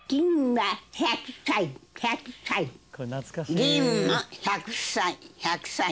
ぎんも１００歳１００歳。